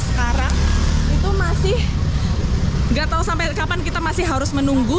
sekarang itu masih nggak tahu sampai kapan kita masih harus menunggu